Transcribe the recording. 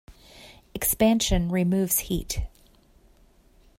Expansion removes heat.